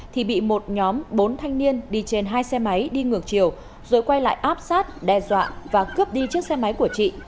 thì bị một nhóm bốn thanh niên đi trên hai xe máy đi ngược chiều rồi quay lại áp sát đe dọa và cướp đi chiếc xe máy của chị